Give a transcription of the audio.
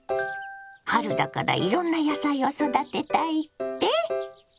春だからいろんな野菜を育てたいって？